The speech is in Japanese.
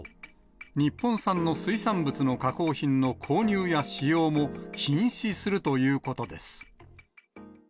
日本産の水産物の加工品の購入や使用も、禁止するということです。